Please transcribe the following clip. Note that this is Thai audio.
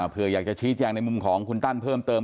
เพื่ออยากจะชี้แจงในมุมของคุณตั้นเพิ่มเติม